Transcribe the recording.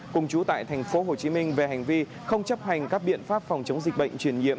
cùng chú tại tp hcm về hành vi không chấp hành các biện pháp phòng chống dịch bệnh truyền nhiễm